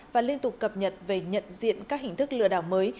và liên tục cập nhật về nhận diện các hình thức lừa đảo mới